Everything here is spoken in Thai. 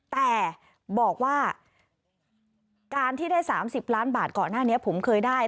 แต่บอกว่าการที่ได้๓๐ล้านบาทก่อนหน้านี้ผมเคยได้